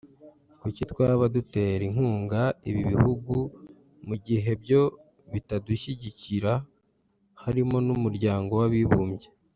Kuki twaba dutera inkunga ibi bihugu mu gihe byo bitadushyigikira (harimo n’Umuryango w’Abibumbye)